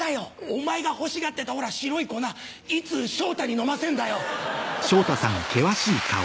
お前が欲しがってたほら白い粉いつ昇太に飲ませるんだよ。